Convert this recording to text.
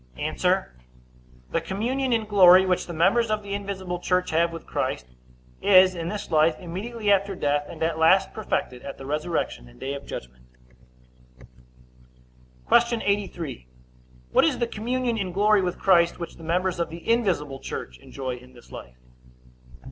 A. The communion in glory which the members of the invisible church have with Christ, is in this life, immediately after death, and at last perfected at the resurrection and day of judgment. Q. 83. What is the communion in glory with Christ which the members of the invisible church enjoy in this life?